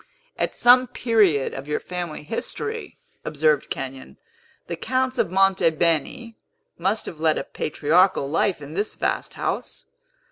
"At some period of your family history," observed Kenyon, "the Counts of Monte Beni must have led a patriarchal life in this vast house.